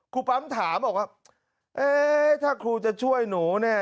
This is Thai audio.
ครูปั๊มถามบอกว่าเอ๊ะถ้าครูจะช่วยหนูเนี่ย